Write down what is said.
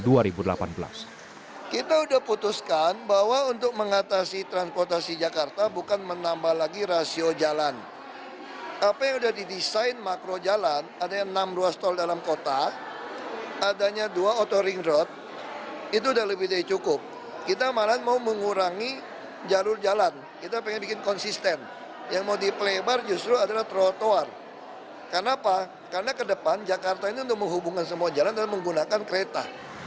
di depan jakarta ini untuk menghubungkan semua jalan dan menggunakan kereta